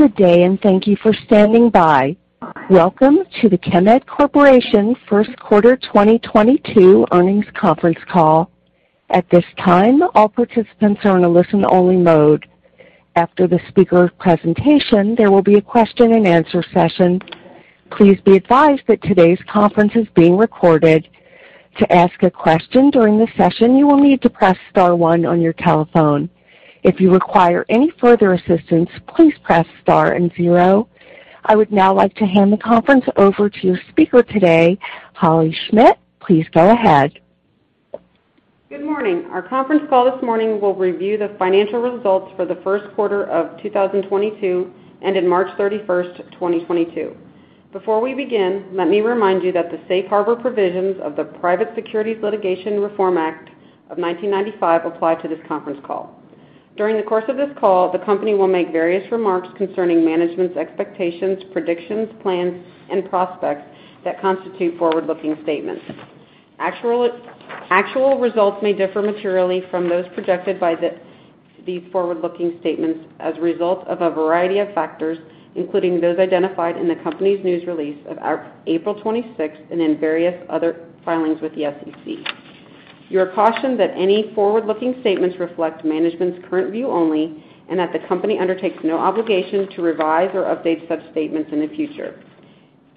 Good day, and thank you for standing by. Welcome to the Chemed Corporation First Quarter 2022 Earnings Conference Call. At this time, all participants are in a listen-only mode. After the speaker presentation, there will be a question-and-answer session. Please be advised that today's conference is being recorded. To ask a question during the session, you will need to press star one on your telephone. If you require any further assistance, please press star and zero. I would now like to hand the conference over to your speaker today, Holley Schmidt. Please go ahead. Good morning. Our conference call this morning will review the financial results for the first quarter of 2022, ending March 31, 2022. Before we begin, let me remind you that the safe harbor provisions of the Private Securities Litigation Reform Act of 1995 apply to this conference call. During the course of this call, the company will make various remarks concerning management's expectations, predictions, plans, and prospects that constitute forward-looking statements. Actual results may differ materially from those projected by these forward-looking statements as a result of a variety of factors, including those identified in the company's news release of April 26 and in various other filings with the SEC. You are cautioned that any forward-looking statements reflect management's current view only and that the company undertakes no obligation to revise or update such statements in the future.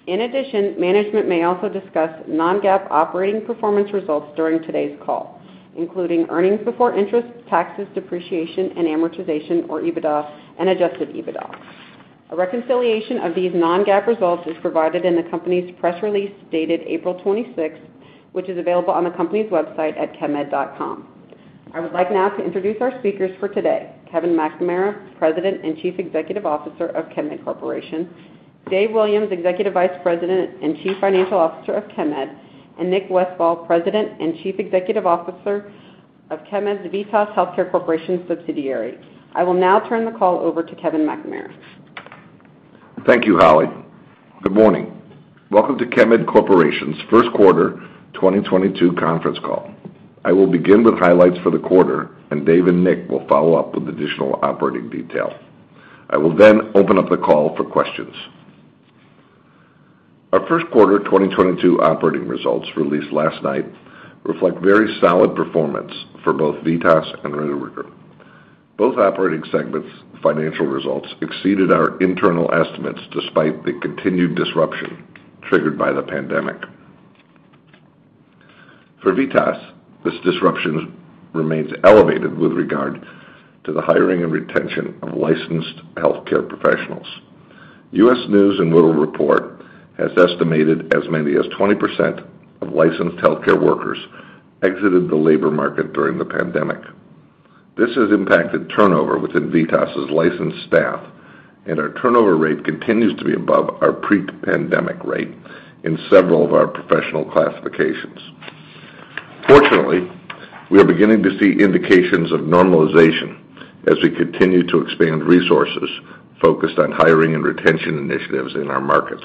In addition, management may also discuss non-GAAP operating performance results during today's call, including earnings before interest, taxes, depreciation, and amortization, or EBITDA, and adjusted EBITDA. A reconciliation of these non-GAAP results is provided in the company's press release dated April 26th, which is available on the company's website at chemed.com. I would like now to introduce our speakers for today, Kevin McNamara, President and Chief Executive Officer of Chemed Corporation, Dave Williams, Executive Vice President and Chief Financial Officer of Chemed, and Nick Westfall, President and Chief Executive Officer of Chemed's VITAS Healthcare Corporation subsidiary. I will now turn the call over to Kevin McNamara. Thank you, Holley. Good morning. Welcome to Chemed Corporation's first quarter 2022 conference call. I will begin with highlights for the quarter, and Dave and Nick will follow up with additional operating detail. I will then open up the call for questions. Our first quarter 2022 operating results released last night reflect very solid performance for both VITAS and Roto-Rooter. Both operating segments' financial results exceeded our internal estimates despite the continued disruption triggered by the pandemic. For VITAS, this disruption remains elevated with regard to the hiring and retention of licensed healthcare professionals. U.S. News & World Report has estimated as many as 20% of licensed healthcare workers exited the labor market during the pandemic. This has impacted turnover within VITAS' licensed staff, and our turnover rate continues to be above our pre-pandemic rate in several of our professional classifications. Fortunately, we are beginning to see indications of normalization as we continue to expand resources focused on hiring and retention initiatives in our markets.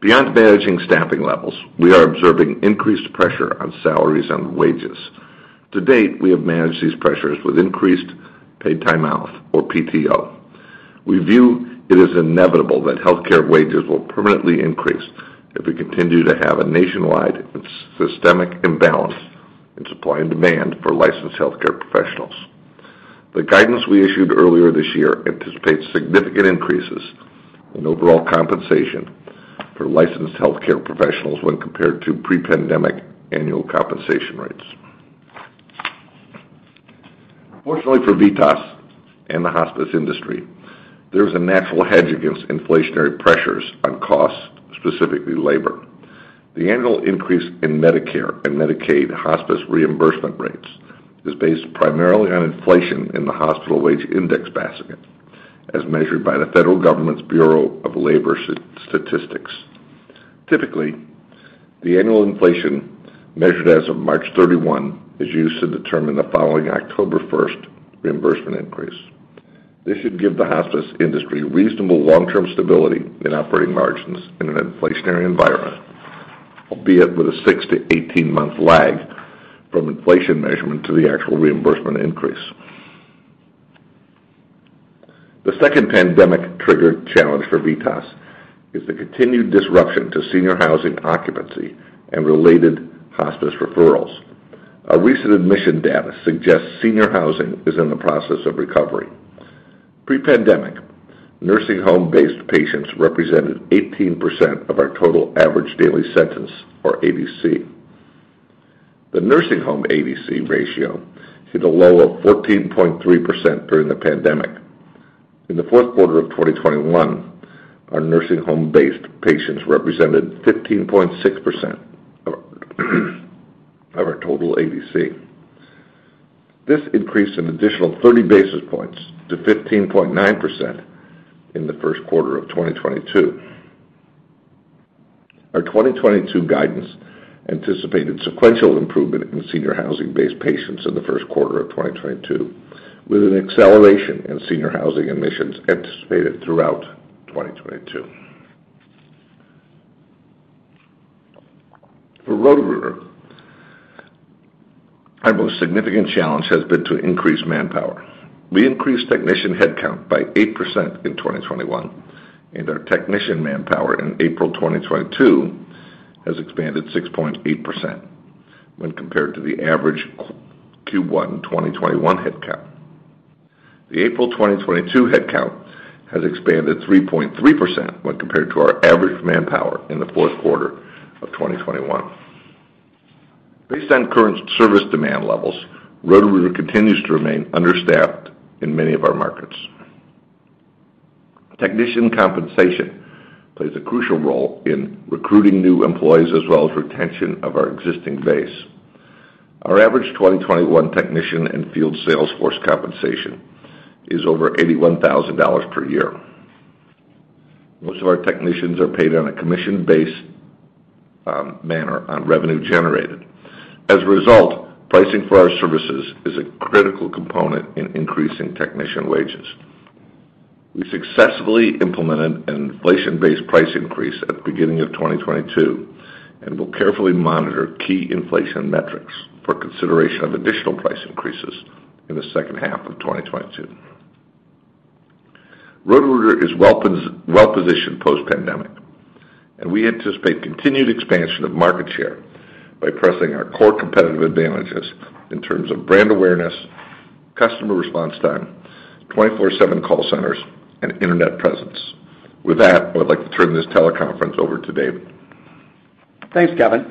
Beyond managing staffing levels, we are observing increased pressure on salaries and wages. To date, we have managed these pressures with increased paid time off, or PTO. We view it as inevitable that healthcare wages will permanently increase if we continue to have a nationwide systemic imbalance in supply and demand for licensed healthcare professionals. The guidance we issued earlier this year anticipates significant increases in overall compensation for licensed healthcare professionals when compared to pre-pandemic annual compensation rates. Fortunately for VITAS and the hospice industry, there is a natural hedge against inflationary pressures on costs, specifically labor. The annual increase in Medicare and Medicaid hospice reimbursement rates is based primarily on inflation in the hospital wage index basket, as measured by the federal government's Bureau of Labor Statistics. Typically, the annual inflation measured as of March 31 is used to determine the following October 1 reimbursement increase. This should give the hospice industry reasonable long-term stability in operating margins in an inflationary environment, albeit with a 6- to 18-month lag from inflation measurement to the actual reimbursement increase. The second pandemic triggered challenge for VITAS is the continued disruption to senior housing occupancy and related hospice referrals. Our recent admission data suggests senior housing is in the process of recovery. Pre-pandemic, nursing home-based patients represented 18% of our total average daily census, or ADC. The nursing home ADC ratio hit a low of 14.3% during the pandemic. In the fourth quarter of 2021, our nursing home-based patients represented 15.6% of our total ADC. This increased an additional 30 basis points to 15.9% in the first quarter of 2022. Our 2022 guidance anticipated sequential improvement in senior housing-based patients in the first quarter of 2022, with an acceleration in senior housing admissions anticipated throughout 2022. For Roto-Rooter, our most significant challenge has been to increase manpower. We increased technician headcount by 8% in 2021, and our technician manpower in April 2022 has expanded 6.8% when compared to the average quarter one, 2021 headcount. The April 2022 headcount has expanded 3.3% when compared to our average manpower in the fourth quarter of 2021. Based on current service demand levels, Roto-Rooter continues to remain understaffed in many of our markets. Technician compensation plays a crucial role in recruiting new employees as well as retention of our existing base. Our average 2021 technician and field sales force compensation is over $81,000 per year. Most of our technicians are paid on a commission basis manner on revenue generated. As a result, pricing for our services is a critical component in increasing technician wages. We successfully implemented an inflation-based price increase at the beginning of 2022, and we'll carefully monitor key inflation metrics for consideration of additional price increases in the second half of 2022. Roto-Rooter is well positioned post-pandemic, and we anticipate continued expansion of market share by pressing our core competitive advantages in terms of brand awareness, customer response time, 24/7 call centers, and internet presence. With that, I would like to turn this teleconference over to Dave. Thanks, Kevin.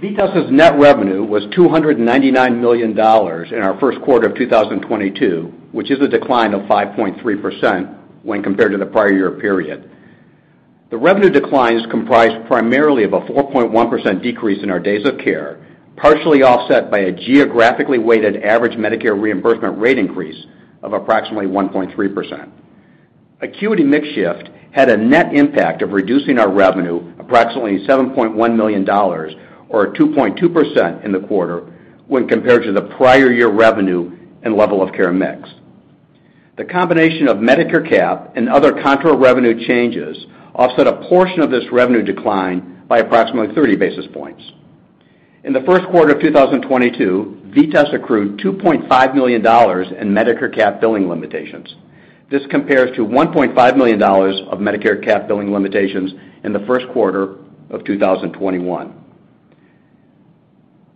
VITAS's net revenue was $299 million in our first quarter of 2022, which is a decline of 5.3% when compared to the prior year period. The revenue decline is comprised primarily of a 4.1% decrease in our days of care, partially offset by a geographically weighted average Medicare reimbursement rate increase of approximately 1.3%. Acuity mix shift had a net impact of reducing our revenue approximately $7.1 million or 2.2% in the quarter when compared to the prior year revenue and level of care mix. The combination of Medicare cap and other contra revenue changes offset a portion of this revenue decline by approximately 30 basis points. In the first quarter of 2022, VITAS accrued $2.5 million in Medicare cap billing limitations. This compares to $1.5 million of Medicare cap billing limitations in the first quarter of 2021.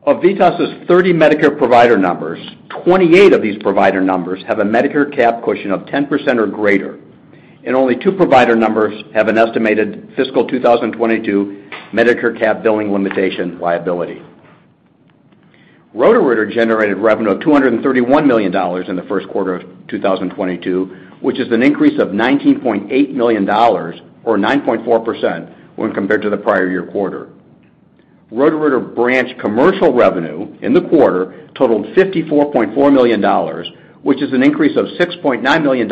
Of VITAS's 30 Medicare provider numbers, 28 of these provider numbers have a Medicare cap cushion of 10% or greater, and only 2 provider numbers have an estimated fiscal 2022 Medicare cap billing limitation liability. Roto-Rooter generated revenue of $231 million in the first quarter of 2022, which is an increase of $19.8 million or 9.4% when compared to the prior year quarter. Roto-Rooter branch commercial revenue in the quarter totaled $54.4 million, which is an increase of $6.9 million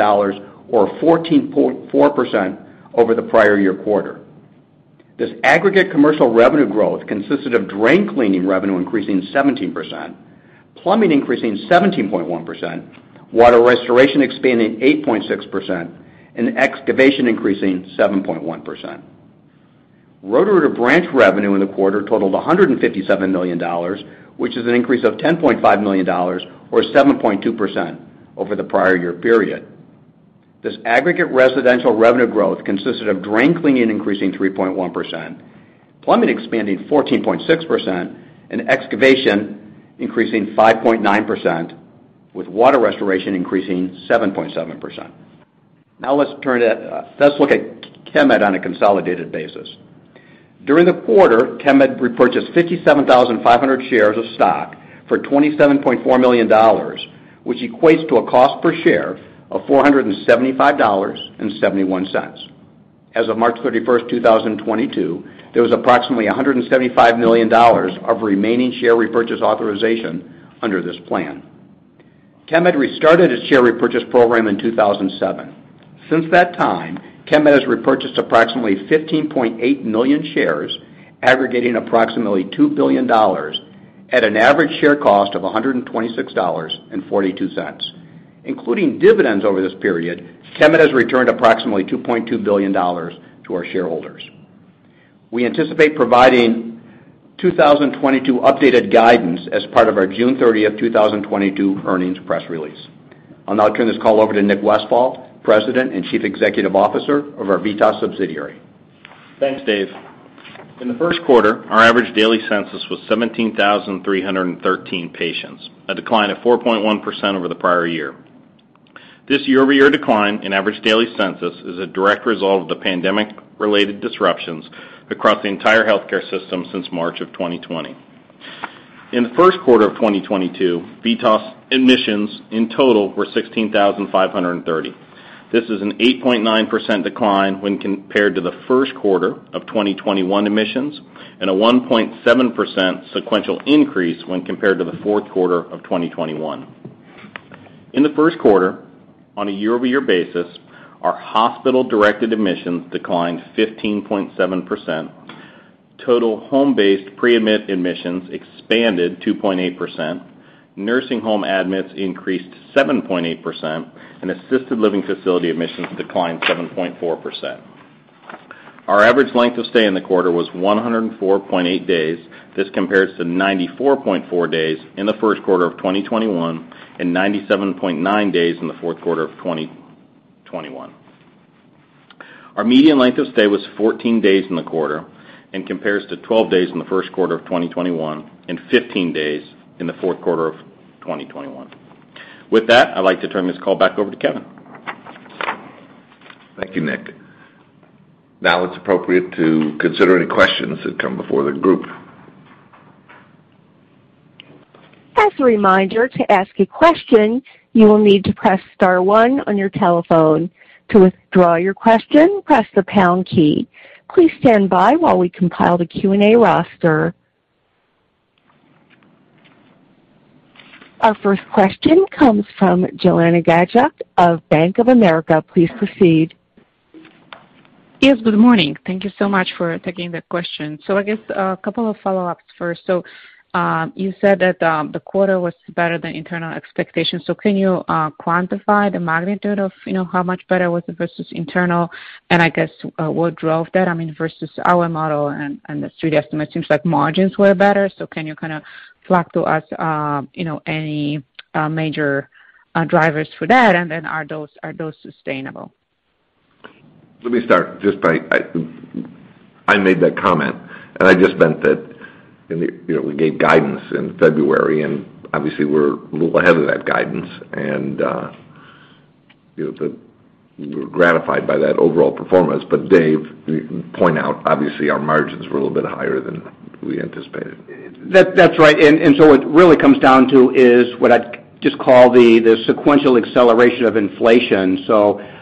or 14.4% over the prior year quarter. This aggregate commercial revenue growth consisted of drain cleaning revenue increasing 17%, plumbing increasing 17.1%, water restoration expanding 8.6%, and excavation increasing 7.1%. Roto-Rooter branch revenue in the quarter totaled $157 million, which is an increase of $10.5 million or 7.2% over the prior year period. This aggregate residential revenue growth consisted of drain cleaning increasing 3.1%, plumbing expanding 14.6%, and excavation increasing 5.9%, with water restoration increasing 7.7%. Now let's look at Chemed on a consolidated basis. During the quarter, Chemed repurchased 57,500 shares of stock for $27.4 million, which equates to a cost per share of $475.71. As of March 31st, 2022, there was approximately $175 million of remaining share repurchase authorization under this plan. Chemed restarted its share repurchase program in 2007. Since that time, Chemed has repurchased approximately 15.8 million shares, aggregating approximately $2 billion at an average share cost of $126.42. Including dividends over this period, Chemed has returned approximately $2.2 billion to our shareholders. We anticipate providing 2022 updated guidance as part of our June 30th, 2022 earnings press release. I'll now turn this call over to Nick Westfall, President and Chief Executive Officer of our VITAS subsidiary. Thanks, Dave. In the first quarter, our average daily census was 17,313 patients, a decline of 4.1% over the prior year. This year-over-year decline in average daily census is a direct result of the pandemic-related disruptions across the entire healthcare system since March of 2020. In the first quarter of 2022, VITAS admissions in total were 16,530. This is an 8.9% decline when compared to the first quarter of 2021 admissions and a 1.7% sequential increase when compared to the fourth quarter of 2021. In the first quarter, on a year-over-year basis, our hospital-directed admissions declined 15.7%. Total home-based pre-admit admissions expanded 2.8%. Nursing home admissions increased 7.8%, and assisted living facility admissions declined 7.4%. Our average length of stay in the quarter was 104.8 days. This compares to 94.4 days in the first quarter of 2021 and 97.9 days in the fourth quarter of 2021. Our median length of stay was 14 days in the quarter and compares to 12 days in the first quarter of 2021 and 15 days in the fourth quarter of 2021. With that, I'd like to turn this call back over to Kevin. Thank you, Nick. Now it's appropriate to consider any questions that come before the group. As a reminder, to ask a question, you will need to press star one on your telephone. To withdraw your question, press the pound key. Please stand by while we compile the Q&A roster. Our first question comes from Joanna Gajuk of Bank of America. Please proceed. Yes, good morning. Thank you so much for taking the question. I guess a couple of follow-ups first. You said that the quarter was better than internal expectations. Can you quantify the magnitude of, you know, how much better was it versus internal? I guess what drove that, I mean, versus our model and the Street estimate seems like margins were better. Can you kinda talk to us, you know, any major drivers for that? Are those sustainable? I made that comment, and I just meant that, you know, we gave guidance in February, and obviously, we're a little ahead of that guidance and, you know, but we're gratified by that overall performance. Dave, point out obviously our margins were a little bit higher than we anticipated. That's right. What it really comes down to is what I'd just call the sequential acceleration of inflation. On average,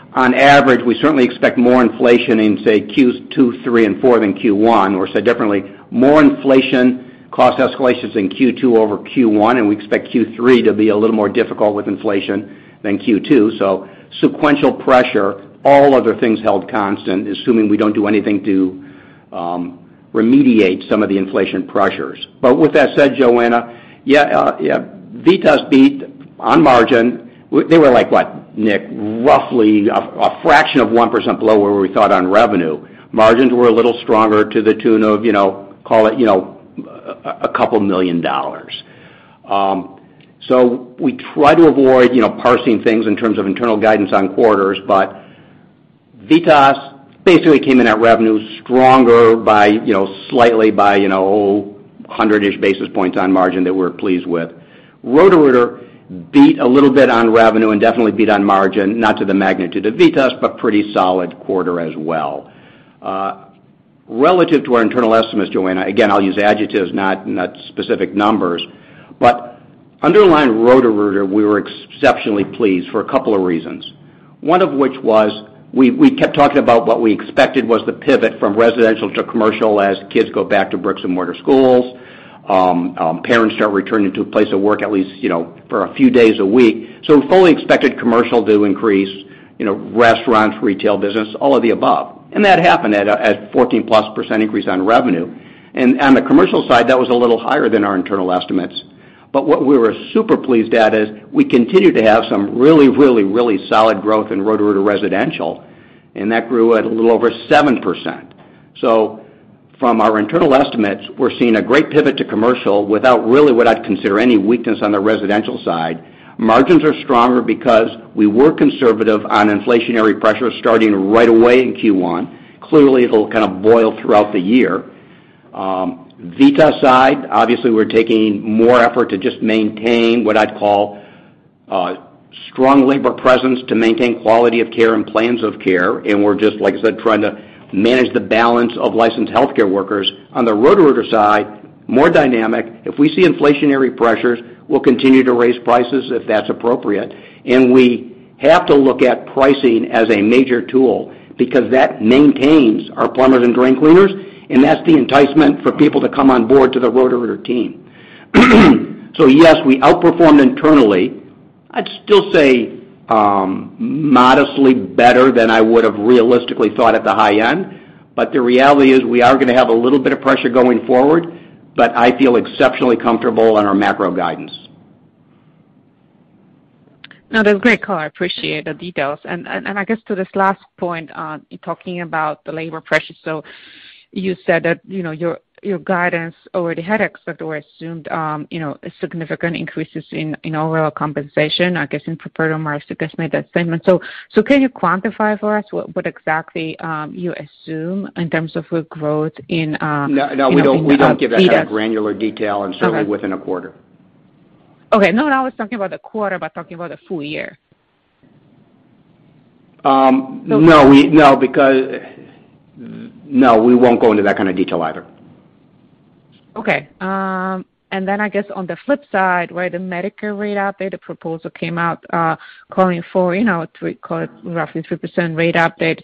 we certainly expect more inflation in, say, Q2, 3 and 4 than Q1, or say differently, more inflation cost escalations in Q2 over Q1, and we expect Q3 to be a little more difficult with inflation than Q2. Sequential pressure, all other things held constant, assuming we don't do anything to remediate some of the inflation pressures. With that said, Joanna, yeah, VITAS beat on margin. They were like, what, Nick, roughly a fraction of 1% below where we thought on revenue. Margins were a little stronger to the tune of, you know, call it, you know, $2 million. We try to avoid, you know, parsing things in terms of internal guidance on quarters, but VITAS basically came in at revenue stronger by, you know, slightly by, you know, 100-ish basis points on margin that we're pleased with. Roto-Rooter beat a little bit on revenue and definitely beat on margin, not to the magnitude of VITAS, but pretty solid quarter as well. Relative to our internal estimates, Joanna, again, I'll use adjectives, not specific numbers, but underlying Roto-Rooter, we were exceptionally pleased for a couple of reasons, one of which was we kept talking about what we expected was the pivot from residential to commercial as kids go back to bricks and mortar schools, parents start returning to a place of work at least, you know, for a few days a week. We fully expected commercial to increase, you know, restaurants, retail business, all of the above. That happened at 14% increase on revenue. On the commercial side, that was a little higher than our internal estimates. What we were super pleased at is we continued to have some really solid growth in Roto-Rooter residential, and that grew at a little over 7%. From our internal estimates, we're seeing a great pivot to commercial without really what I'd consider any weakness on the residential side. Margins are stronger because we were conservative on inflationary pressure starting right away in Q1. Clearly, it'll kind of boil throughout the year. VITAS side, obviously, we're taking more effort to just maintain what I'd call a strong labor presence to maintain quality of care and plans of care. We're just, like I said, trying to manage the balance of licensed healthcare workers. On the Roto-Rooter side, more dynamic. If we see inflationary pressures, we'll continue to raise prices if that's appropriate. We have to look at pricing as a major tool because that maintains our plumbers and drain cleaners, and that's the enticement for people to come on board to the Roto-Rooter team. Yes, we outperformed internally. I'd still say, modestly better than I would've realistically thought at the high end. The reality is we are gonna have a little bit of pressure going forward, but I feel exceptionally comfortable in our macro guidance. No, that's great, Carl. I appreciate the details. I guess to this last point, talking about the labor pressures. You said that, you know, your guidance already had accepted or assumed, you know, significant increases in overall compensation, I guess in federal market. Can you quantify for us what exactly you assume in terms of the growth in, No, we don't give out that granular detail and certainly within a quarter. Okay. No, not was talking about the quarter, but talking about the full year. No, we won't go into that kind of detail either. I guess on the flip side, right, the Medicare rate update, the proposal came out, calling for, you know, call it roughly 3% rate update.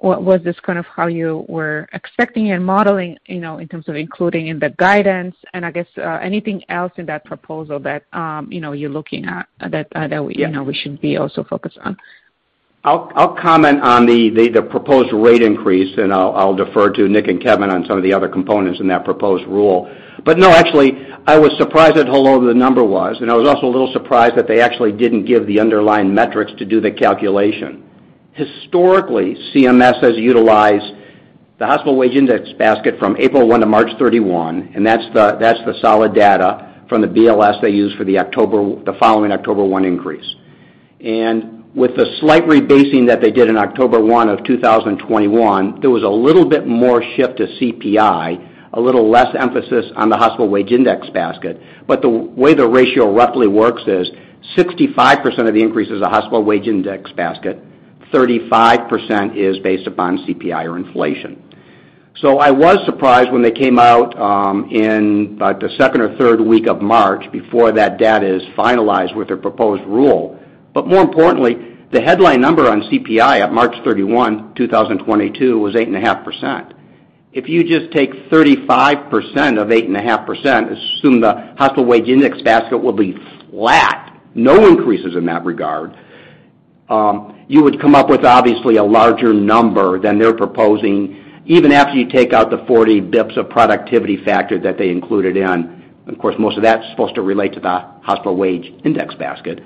Was this kind of how you were expecting and modeling, you know, in terms of including in the guidance and I guess, anything else in that proposal that, you know, you're looking at that, you know, we should be also focused on? I'll comment on the proposed rate increase, and I'll defer to Nick and Kevin on some of the other components in that proposed rule. No, actually, I was surprised at how low the number was, and I was also a little surprised that they actually didn't give the underlying metrics to do the calculation. Historically, CMS has utilized the hospital wage index basket from April 1 to March 31, and that's the solid data from the BLS they use for the following October 1 increase. With the slight rebasing that they did in October 1 of 2021, there was a little bit more shift to CPI, a little less emphasis on the hospital wage index basket. The way the ratio roughly works is 65% of the increase is a hospital wage index basket, 35% is based upon CPI or inflation. I was surprised when they came out in about the second or third week of March before that data is finalized with their proposed rule. More importantly, the headline number on CPI at March 31, 2022 was 8.5%. If you just take 35% of 8.5%, assume the hospital wage index basket will be flat, no increases in that regard, you would come up with obviously a larger number than they're proposing, even after you take out the 40 basis points of productivity factor that they included in. Of course, most of that's supposed to relate to the hospital wage index basket.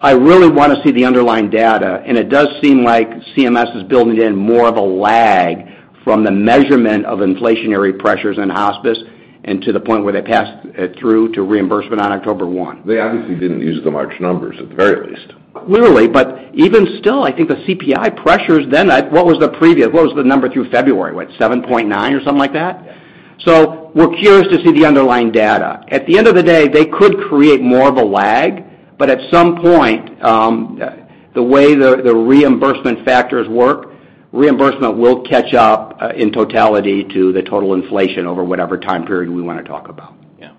I really wanna see the underlying data, and it does seem like CMS is building in more of a lag from the measurement of inflationary pressures in hospice and to the point where they pass it through to reimbursement on October one. They obviously didn't use the March numbers at the very least. Clearly. Even still, I think the CPI pressures then. What was the number through February? What, 7.9% or something like that? We're curious to see the underlying data. At the end of the day, they could create more of a lag, but at some point, the way the reimbursement factors work, reimbursement will catch up, in totality to the total inflation over whatever time period we wanna talk about. Yeah.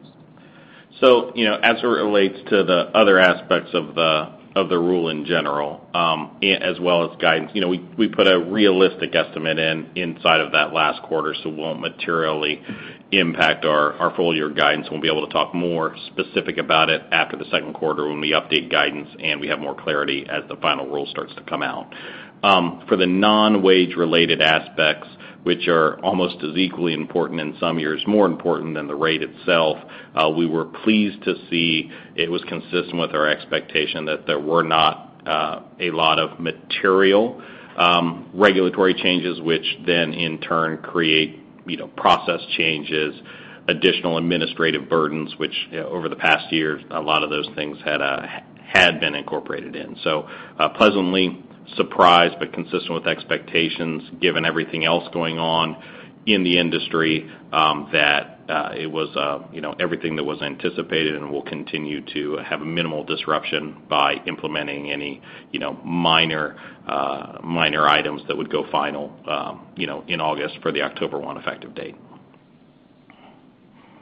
You know, as it relates to the other aspects of the rule in general, as well as guidance, you know, we put a realistic estimate in inside of that last quarter, so it won't materially impact our full year guidance. We'll be able to talk more specific about it after the second quarter when we update guidance and we have more clarity as the final rule starts to come out. For the non-wage related aspects, which are almost as equally important in some years, more important than the rate itself, we were pleased to see it was consistent with our expectation that there were not a lot of material regulatory changes which then in turn create, you know, process changes, additional administrative burdens, which, you know, over the past year, a lot of those things had been incorporated in. Pleasantly surprised, but consistent with expectations, given everything else going on in the industry, that it was, you know, everything that was anticipated and will continue to have a minimal disruption by implementing any, you know, minor items that would go final, you know, in August for the October one effective date.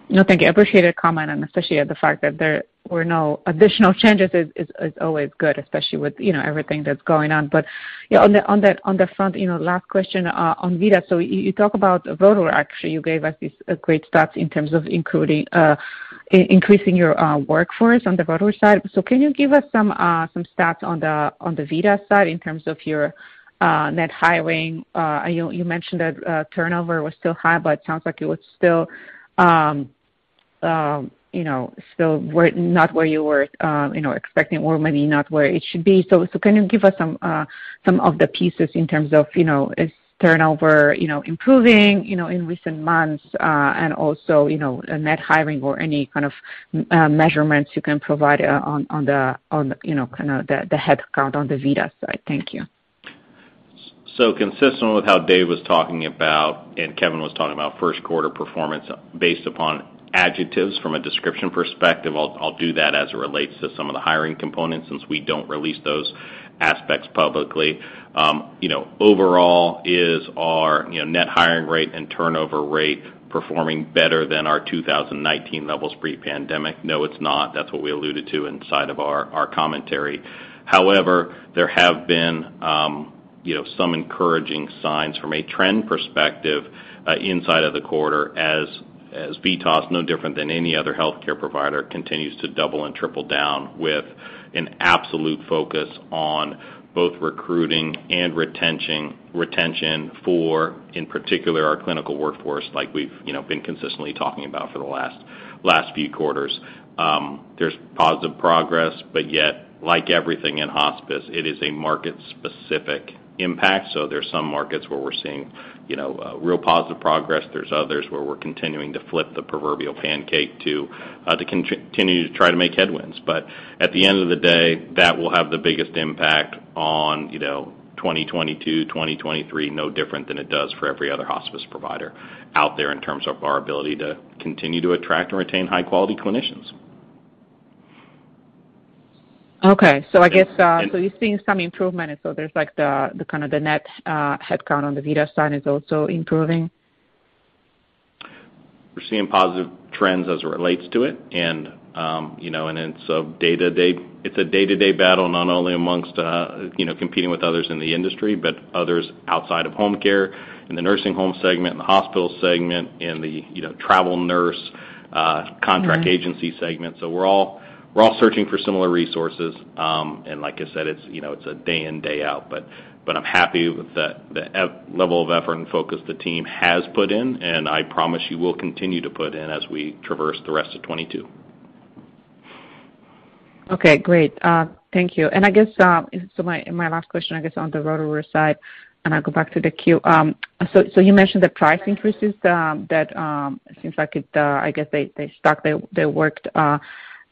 No, thank you. I appreciate your comment, and especially the fact that there were no additional changes is always good, especially with, you know, everything that's going on. You know, on the front, you know, last question on VITAS. You talk about Roto-Rooter. Actually, you gave us these great stats in terms of including increasing your workforce on the Roto-Rooter side. Can you give us some stats on the VITAS side in terms of your net hiring? You mentioned that turnover was still high, but sounds like it was still not where you were expecting or maybe not where it should be. Can you give us some of the pieces in terms of, you know, is turnover, you know, improving, you know, in recent months, and also, you know, net hiring or any kind of measurements you can provide, on the headcount on the VITAS side? Thank you. Consistent with how Dave was talking about and Kevin was talking about first quarter performance based upon adjectives from a description perspective, I'll do that as it relates to some of the hiring components since we don't release those aspects publicly. You know, overall, is our net hiring rate and turnover rate performing better than our 2019 levels pre-pandemic? No, it's not. That's what we alluded to inside of our commentary. However, there have been you know, some encouraging signs from a trend perspective inside of the quarter as VITAS, no different than any other healthcare provider, continues to double and triple down with an absolute focus on both recruiting and retention, in particular, our clinical workforce, like we've you know, been consistently talking about for the last few quarters. There's positive progress, but yet, like everything in hospice, it is a market-specific impact. There's some markets where we're seeing, you know, real positive progress. There's others where we're continuing to flip the proverbial pancake to continue to try to make headway. At the end of the day, that will have the biggest impact on, you know, 2022, 2023, no different than it does for every other hospice provider out there in terms of our ability to continue to attract and retain high-quality clinicians. I guess you're seeing some improvement. There's like the kinda net headcount on the VITAS side is also improving. We're seeing positive trends as it relates to it. It's a day-to-day battle not only among, you know, competing with others in the industry, but others outside of home care, in the nursing home segment, in the hospital segment, in the, you know, travel nurse, contract agency segment. We're all searching for similar resources. Like I said, it's, you know, a day in, day out. I'm happy with the level of effort and focus the team has put in, and I promise you will continue to put in as we traverse the rest of 2022. Okay. Great. Thank you. I guess. My last question, I guess, on the Roto-Rooter side, and I'll go back to the queue. You mentioned the price increases that seems like it, I guess they stuck. They worked,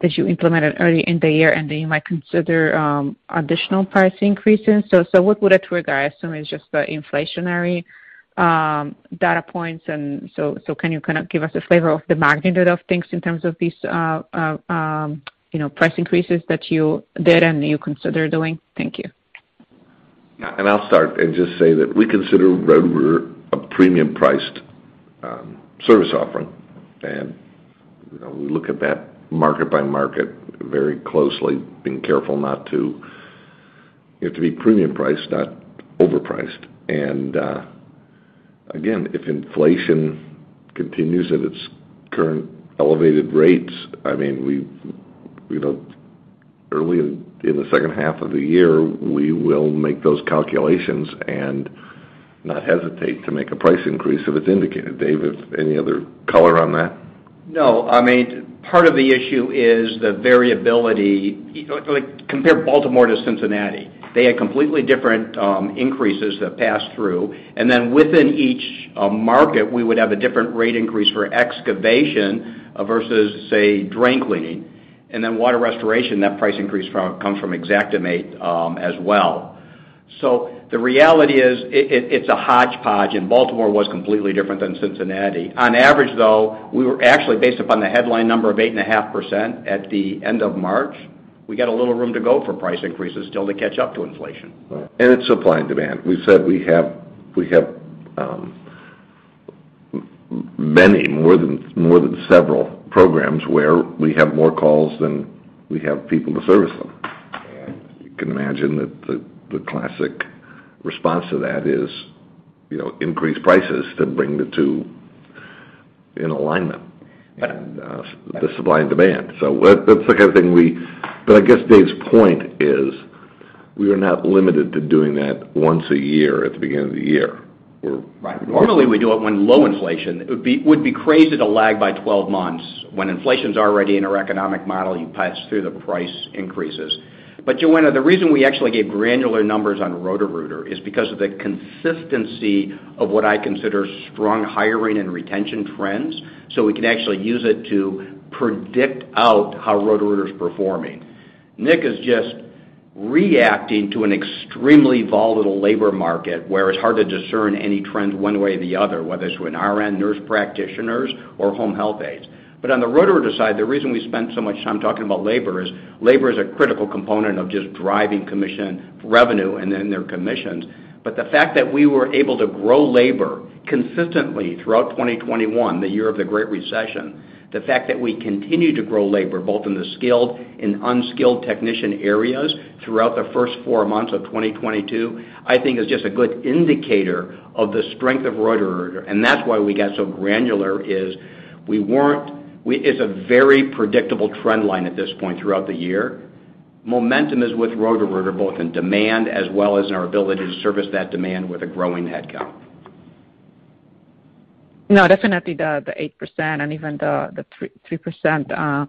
that you implemented early in the year, and then you might consider additional price increases. Assume it's just the inflationary data points and so can you kind of give us a flavor of the magnitude of things in terms of these, you know, price increases that you did and you consider doing? Thank you. I'll start and just say that we consider Roto-Rooter a premium priced service offering. You know, we look at that market by market very closely, being careful to be premium priced, not overpriced. Again, if inflation continues at its current elevated rates, I mean, we've you know, early in the second half of the year, we will make those calculations and not hesitate to make a price increase if it's indicated. Dave, any other color on that? No. I mean, part of the issue is the variability. Like compare Baltimore to Cincinnati. They had completely different increases that passed through, and then within each market, we would have a different rate increase for excavation versus, say, drain cleaning. Water restoration, that price increase from Xactimate as well. The reality is it's a hodgepodge, and Baltimore was completely different than Cincinnati. On average, though, we were actually based upon the headline number of 8.5% at the end of March. We got a little room to go for price increases still to catch up to inflation. Right. It's supply and demand. We said we have many more than several programs where we have more calls than we have people to service them. You can imagine that the classic response to that is, you know, increase prices to bring the two in alignment and the supply and demand. That's the kind of thing. I guess Dave's point is we are not limited to doing that once a year at the beginning of the year. Right. Normally, we do it when low inflation. We'd be crazy to lag by 12 months. When inflation's already in our economic model, you pass through the price increases. Joanna, the reason we actually gave granular numbers on Roto-Rooter is because of the consistency of what I consider strong hiring and retention trends. We can actually use it to predict out how Roto-Rooter is performing. Nick is just reacting to an extremely volatile labor market, where it's hard to discern any trends one way or the other, whether it's with RN, nurse practitioners or home health aides. On the Roto-Rooter side, the reason we spent so much time talking about labor is labor is a critical component of just driving commission revenue and then their commissions. The fact that we were able to grow labor consistently throughout 2021, the year of the Great Resignation, the fact that we continue to grow labor, both in the skilled and unskilled technician areas throughout the first 4 months of 2022, I think is just a good indicator of the strength of Roto-Rooter, and that's why we got so granular. It's a very predictable trend line at this point throughout the year. Momentum is with Roto-Rooter, both in demand as well as in our ability to service that demand with a growing headcount. No, definitely the 8% and even the 3%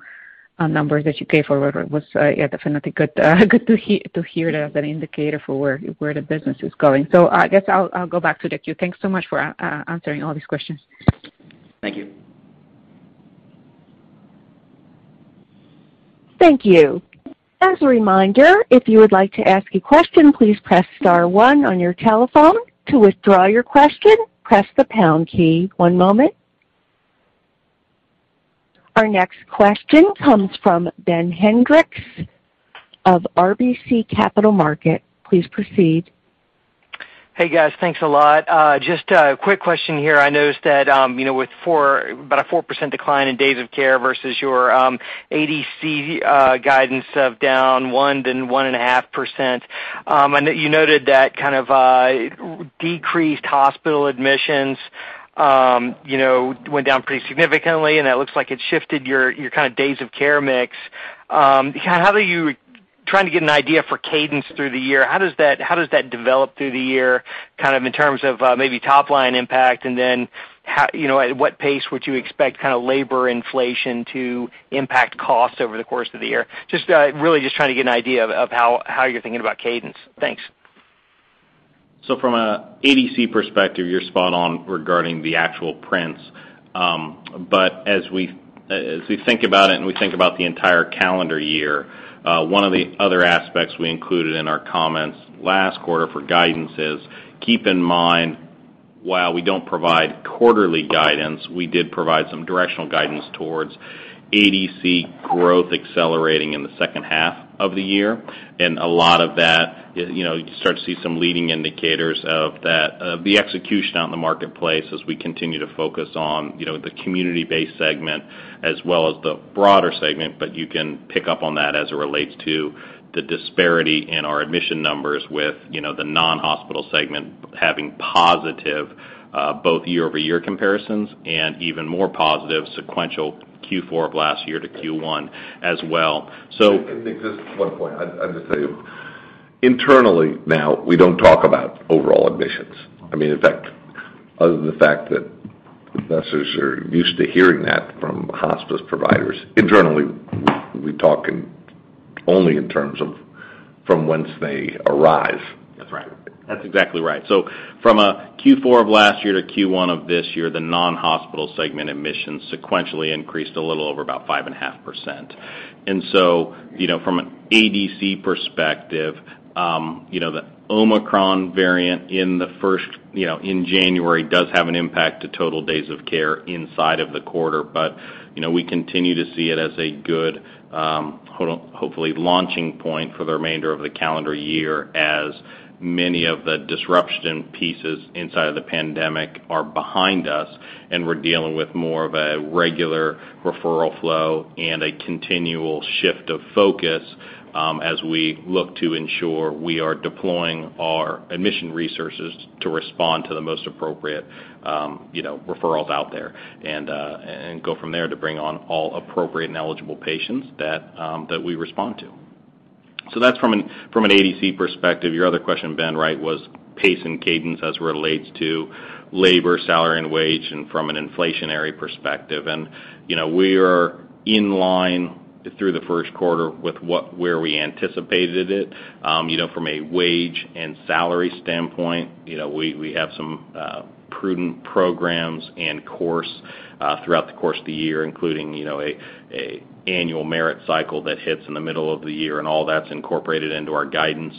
numbers that you gave for Roto-Rooter was, yeah, definitely good to hear that as an indicator for where the business is going. I guess I'll go back to the queue. Thanks so much for answering all these questions. Thank you. Thank you. As a reminder, if you would like to ask a question, please press star one on your telephone. To withdraw your question, press the pound key. One moment. Our next question comes from Ben Hendrix of RBC Capital Markets. Please proceed. Hey, guys. Thanks a lot. Just a quick question here. I noticed that, you know, with about a 4% decline in days of care versus your, ADC, guidance of down 1%, then 1.5%, I know you noted that kind of, decreased hospital admissions, you know, went down pretty significantly, and that looks like it shifted your kind of days of care mix. Trying to get an idea for cadence through the year, how does that develop through the year, kind of in terms of, maybe top-line impact? You know, at what pace would you expect kind of labor inflation to impact cost over the course of the year? Just, really just trying to get an idea of, how you're thinking about cadence. Thanks. From a ADC perspective, you're spot on regarding the actual prints. As we think about the entire calendar year, one of the other aspects we included in our comments last quarter for guidance is keep in mind, while we don't provide quarterly guidance, we did provide some directional guidance towards ADC growth accelerating in the second half of the year. A lot of that, you know, you start to see some leading indicators of that, the execution out in the marketplace as we continue to focus on, you know, the community-based segment as well as the broader segment. You can pick up on that as it relates to the disparity in our admission numbers with, you know, the non-hospital segment having positive both year-over-year comparisons and even more positive sequential Q4 of last year to Q1 as well. Just one point. I'll just tell you Internally now, we don't talk about overall admissions. I mean, in fact, other than the fact that investors are used to hearing that from hospice providers, internally, we talk only in terms of from whence they arrive. That's right. That's exactly right. From Q4 of last year to Q1 of this year, the non-hospital segment admissions sequentially increased a little over about 5.5%. You know, from an ADC perspective, you know, the Omicron variant in the first, you know, in January does have an impact to total days of care inside of the quarter. You know, we continue to see it as a good, hopefully launching point for the remainder of the calendar year as many of the disruption pieces inside of the pandemic are behind us and we're dealing with more of a regular referral flow and a continual shift of focus, as we look to ensure we are deploying our admission resources to respond to the most appropriate, you know, referrals out there and and go from there to bring on all appropriate and eligible patients that that we respond to. That's from an ADC perspective. Your other question, Ben, right, was pace and cadence as relates to labor, salary, and wage and from an inflationary perspective. You know, we are in line through the first quarter with where we anticipated it. You know, from a wage and salary standpoint, you know, we have some prudent programs, of course, throughout the course of the year, including, you know, an annual merit cycle that hits in the middle of the year, and all that's incorporated into our guidance.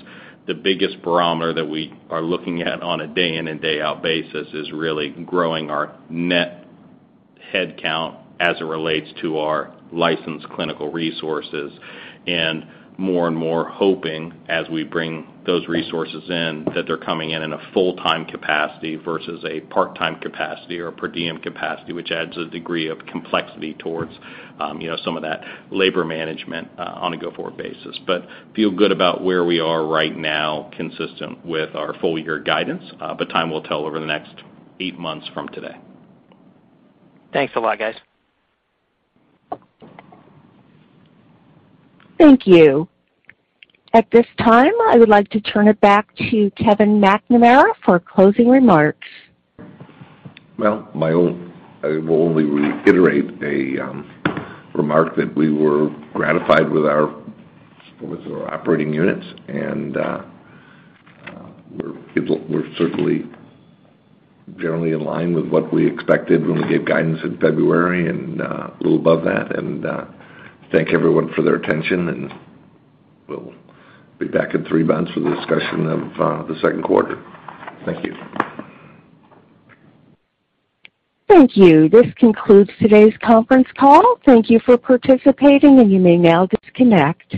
The biggest barometer that we are looking at on a day in and day out basis is really growing our net headcount as it relates to our licensed clinical resources. More and more hoping as we bring those resources in that they're coming in in a full-time capacity versus a part-time capacity or a per diem capacity, which adds a degree of complexity towards, you know, some of that labor management, on a go-forward basis. Feel good about where we are right now, consistent with our full-year guidance, but time will tell over the next eight months from today. Thanks a lot, guys. Thank you. At this time, I would like to turn it back to Kevin McNamara for closing remarks. Well, I will only reiterate a remark that we were gratified with our operating units, and we're certainly generally in line with what we expected when we gave guidance in February and a little above that. Thank everyone for their attention, and we'll be back in three months for the discussion of the second quarter. Thank you. Thank you. This concludes today's conference call. Thank you for participating, and you may now disconnect.